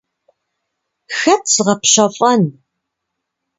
Хэт згъэпщэфӀэн?